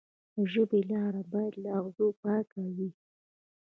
د ژبې لاره باید له اغزو پاکه وي.